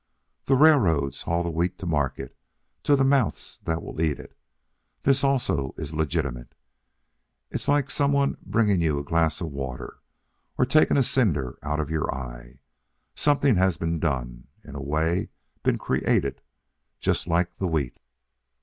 The railroads haul the wheat to market, to the mouths that will eat it. This also is legitimate. It's like some one bringing you a glass of water, or taking a cinder out of your eye. Something has been done, in a way been created, just like the wheat."